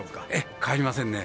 変わりませんね。